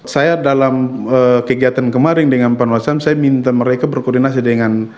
saya dalam kegiatan kemarin dengan pak nual sam saya minta mereka berkoordinasi dengan